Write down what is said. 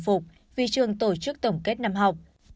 phục vi trường tổ chức tổng kết năm học